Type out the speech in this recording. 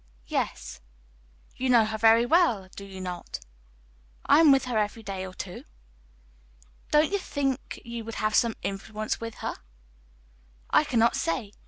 "Yes." "You know her very well; do you not?" "I am with her every day or two." "Don't you think you would have some influence with her?" "I cannot say.